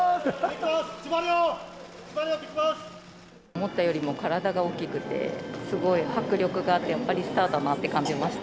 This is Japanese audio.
思ったよりも体が大きくて、すごい迫力があって、やっぱりスターだなって感じました。